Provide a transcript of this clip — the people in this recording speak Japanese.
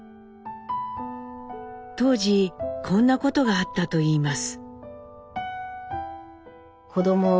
当時こんなことがあったといいます。